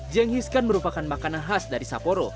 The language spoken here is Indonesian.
jeng hiskan merupakan makanan khas dari saporo